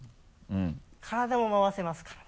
体も回せますからね。